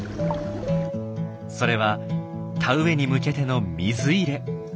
それは田植えに向けての水入れ。